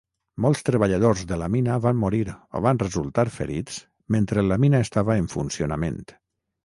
Molts treballadors de la mina van morir o van resultar ferits mentre la mina estava en funcionament.